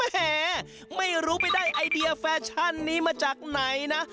แหมไม่รู้ไปได้ไอเดียแฟชั่นนี้มาจากไหนนะ